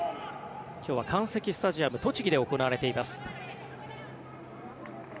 今日はカンセキスタジアムとちぎで行われています。